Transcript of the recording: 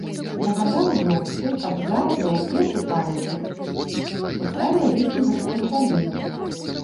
Загадаў жонцы, каб заўтра, у печы палячы, уставіла лішні гаршчок вады.